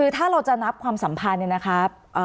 ถ้าเราจะนับความสัมพันธ์นะครับ